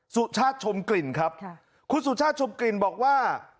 สุชาติชมกลิ่นครับคุณสุชาติชมกลิ่นบอกว่า